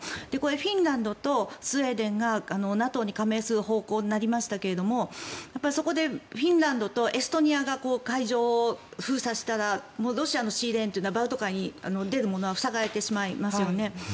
フィンランドとスウェーデンがＮＡＴＯに加盟する方向になりましたけどそこでフィンランドとエストニアが海上を封鎖したらロシアのシーレーンはバルト海に出るものは塞がれてしまいますよね。